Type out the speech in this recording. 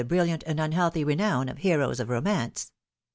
brilliant and unhealthy renown of heroes of romance.